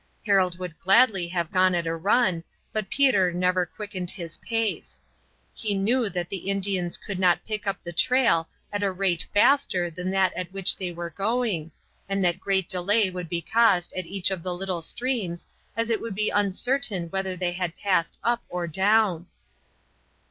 Harold would gladly have gone at a run, but Peter never quickened his pace. He knew that the Indians could not pick up the trail at a rate faster than that at which they were going, and that great delay would be caused at each of the little streams, as it would be uncertain whether they had passed up or down.